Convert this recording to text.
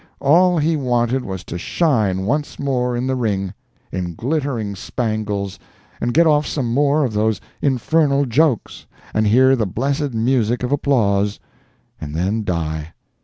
All he wanted was to shine once more in the ring, in glittering spangles, and get off some more of those infernal jokes, and hear the blessed music of applause, and then die.